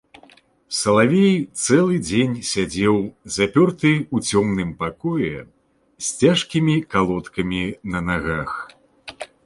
Салавей цэлы дзень сядзеў запёрты ў цёмным пакоі, з цяжкімі калодкамі на нагах.